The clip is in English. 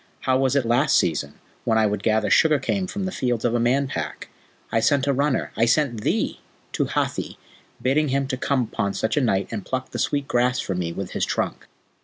How was it last season, when I would gather sugar cane from the fields of a Man Pack? I sent a runner I sent thee! to Hathi, bidding him to come upon such a night and pluck the sweet grass for me with his trunk."